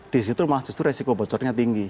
di situ malah justru resiko bocornya tinggi